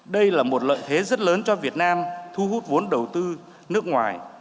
đây là một lợi thế rất lớn cho việt nam thu hút vốn đầu tư nước ngoài